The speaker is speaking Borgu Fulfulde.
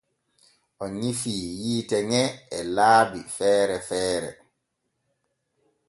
O nyifii yiite ŋe e laabi feere feere.